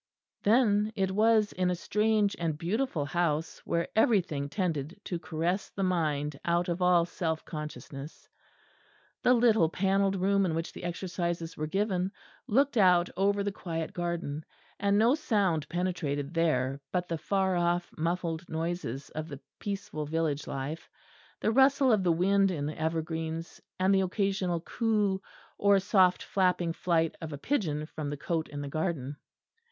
Then it was in a strange and beautiful house where everything tended to caress the mind out of all self consciousness. The little panelled room in which the exercises were given looked out over the quiet garden, and no sound penetrated there but the far off muffled noises of the peaceful village life, the rustle of the wind in the evergreens, and the occasional coo or soft flapping flight of a pigeon from the cote in the garden.